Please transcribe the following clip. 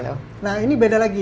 nah ini beda lagi